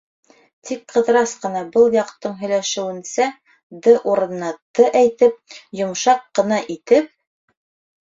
Тик Ҡыҙырас ҡына был яҡтың һөйләшеүенсә, «д» урынына «т» әйтеп, йомшаҡ ҡына итеп: